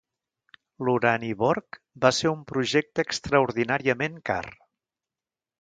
L'Uraniborg va ser un projecte extraordinàriament car.